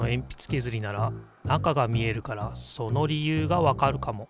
けずりなら中が見えるからその理由がわかるかも。